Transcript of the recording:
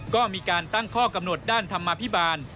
ก็มีการตั้งข้อกำหนดด้านธรรมภิบาล